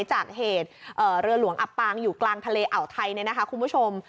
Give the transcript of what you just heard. จากเหตุเรือหลวงอัปปางอยู่กลางทะเลอ่อไทยนะครับคุณผู้ชม